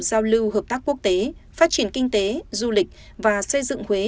giao lưu hợp tác quốc tế phát triển kinh tế du lịch và xây dựng huế